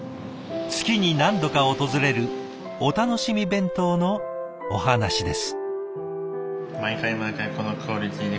月に何度か訪れるお楽しみ弁当のお話です。